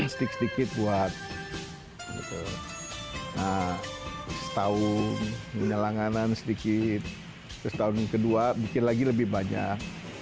setik setik buat setahun punya langanan sedikit setahun kedua bikin lagi lebih banyak